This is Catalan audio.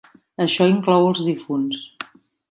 Això inclou els difunts.